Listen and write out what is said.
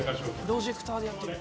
「プロジェクターでやってる」